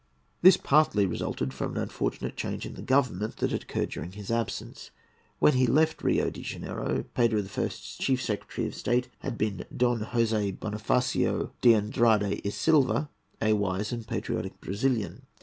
This partly resulted from an unfortunate change in the Government that had occurred during his absence. When he left Rio de Janeiro, Pedro I.'s chief secretary of state had been Don José Bonifacio de Andrada y Silva, a wise and patriotic Brazilian.